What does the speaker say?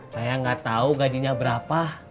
saya gak tau gajinya berapa